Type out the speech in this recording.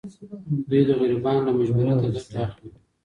دوی د غریبانو له مجبوریت ګټه اخلي.